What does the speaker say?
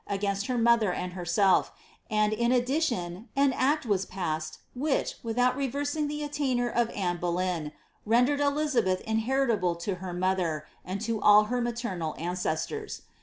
against her mother and herself; and, in addition, an act was passed, which, without reversing the attainder of Anne Boleyn, rendered Elizabeth inheritable to her mother, and to all her ma ternal ancestors.'